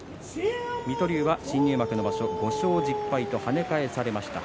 水戸龍は新入幕の場所５勝１０敗と跳ね返されました。